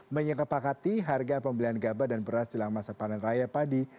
menyengkapakati harga pembelian gaba dan beras jelang masa panen raya padi